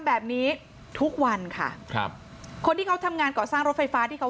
แบบนี้ทุกวันค่ะครับคนที่เขาทำงานก่อสร้างรถไฟฟ้าที่เขา